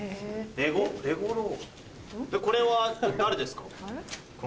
これは誰ですか？